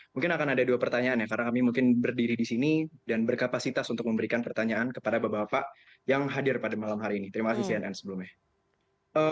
mungkin akan ada dua pertanyaan ya karena kami mungkin berdiri di sini dan berkapasitas untuk memberikan pertanyaan kepada bapak bapak yang hadir pada malam hari ini terima kasih cnn sebelumnya